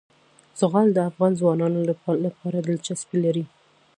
زغال د افغان ځوانانو لپاره دلچسپي لري.